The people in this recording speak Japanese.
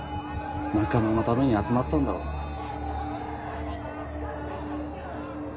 仲間のために集まったんだろうね。